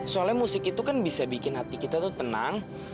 soalnya musik itu kan bisa bikin hati kita tuh tenang